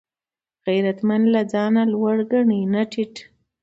غیرتمند نه ځان لوړ ګڼي نه ټیټ